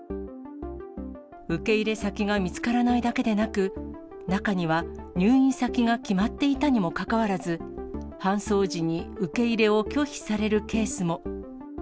受け入れ先が見つからないだけでなく、中には入院先が決まっていたにもかかわらず、搬送時に受け入れを拒否されるケースも。